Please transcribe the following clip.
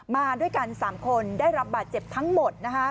มาด้วยกัน๓คนได้รับบาดเจ็บทั้งหมด